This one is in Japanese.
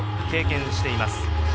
経験しています。